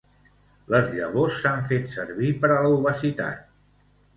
Les llavors s'han fet servir per a l'obesitat.